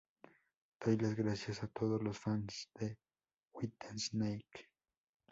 Doy las gracias a todos los fans de Whitesnake.